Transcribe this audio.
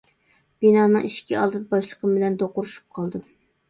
بىنانىڭ ئىشكى ئالدىدا باشلىقىم بىلەن دوقۇرۇشۇپ قالدىم.